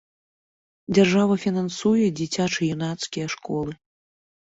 Дзяржава фінансуе дзіцяча-юнацкія школы.